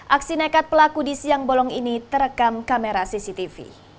aksi nekat pelaku di siang bolong ini terekam kamera cctv